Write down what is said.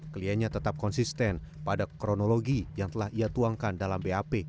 kliennya tetap konsisten pada kronologi yang telah ia tuangkan dalam bap